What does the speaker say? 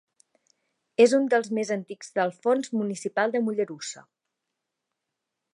És un dels més antics del fons municipal de Mollerussa.